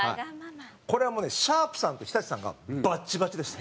これは、もうねシャープさんと日立さんがバッチバチでした。